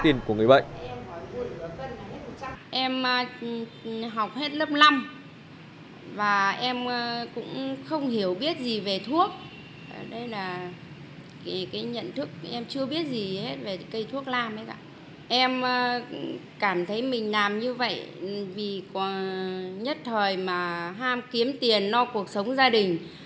em cảm thấy mình làm như vậy vì nhất thời mà ham kiếm tiền no cuộc sống gia đình